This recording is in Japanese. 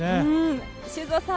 修造さん